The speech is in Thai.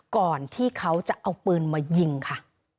ก่อนที่เขาจะเอาปืนมายิงค่ะ